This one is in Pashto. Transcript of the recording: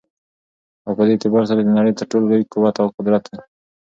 او په دي اعتبار سره دنړۍ تر ټولو لوى قوت او قدرت دى